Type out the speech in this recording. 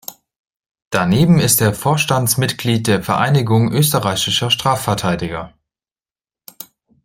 Daneben ist er Vorstandsmitglied der Vereinigung österreichischer Strafverteidiger.